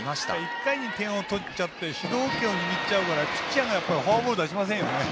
１回に点を取って主導権を握るからピッチャーがフォアボール出しませんよね。